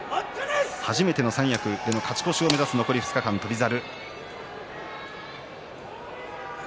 初めての三役での勝ち越しを目指す翔猿。